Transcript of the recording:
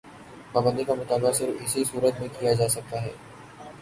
پابندی کا مطالبہ صرف اسی صورت میں کیا جا سکتا ہے۔